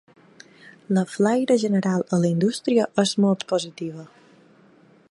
La flaire general a la indústria és molt positiva.